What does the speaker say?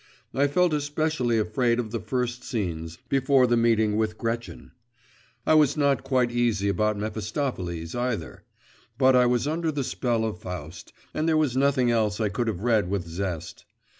I felt especially afraid of the first scenes, before the meeting with Gretchen. I was not quite easy about Mephistopheles either. But I was under the spell of Faust, and there was nothing else I could have read with zest.